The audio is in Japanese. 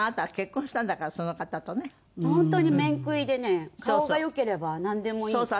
本当に面食いでね顔が良ければなんでもいいって。